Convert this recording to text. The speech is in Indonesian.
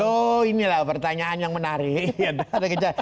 oh inilah pertanyaan yang menarik